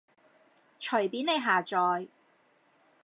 隨便你下載